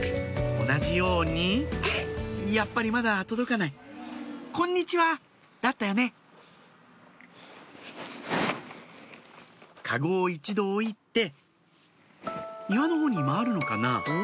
同じようにやっぱりまだ届かない「こんにちは」だったよねカゴを一度置いて庭の方に回るのかな？